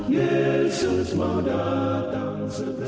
yesus mau datang segera